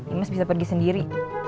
emas bisa pergi sendiri